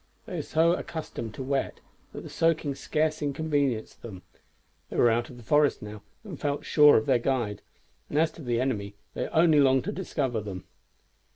They were so accustomed to wet that the soaking scarce inconvenienced them. They were out of the forest now, and felt sure of their guide; and as to the enemy, they only longed to discover them.